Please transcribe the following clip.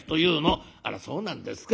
「あらそうなんですか。